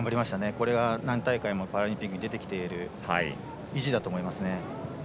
これが何大会もパラリンピックに出てきている意地だと思いますね。